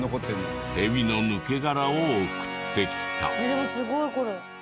でもすごいこれ。